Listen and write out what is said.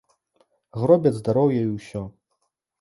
Гробяць здароўе і ўсё.